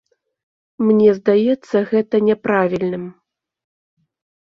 Мне здаецца гэта няправільным.